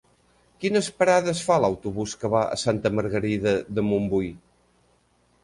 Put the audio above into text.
Quines parades fa l'autobús que va a Santa Margarida de Montbui?